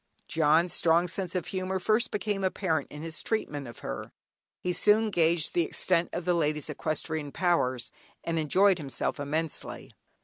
"John's" strong sense of humour first became apparent in his treatment of her. He soon gauged the extent of the lady's equestrian powers, and enjoyed himself immensely.